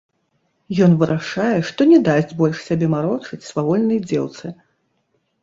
Ён вырашае, што не дасць больш сябе марочыць свавольнай дзеўцы.